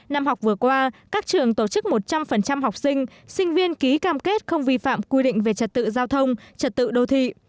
năm học vừa qua các trường tổ chức một trăm linh học sinh sinh viên ký cam kết không vi phạm quy định về trật tự giao thông trật tự đô thị